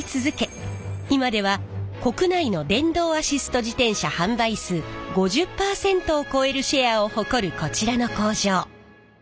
今では国内の電動アシスト自転車販売数５０％を超えるシェアを誇るこちらの工場。